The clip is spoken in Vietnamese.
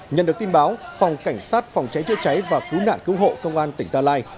nhận được tin báo phòng cảnh sát phòng cháy chữa cháy và cứu nạn cứu hộ công an tỉnh gia lai